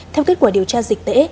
theo kết quả điều tra dịch tễ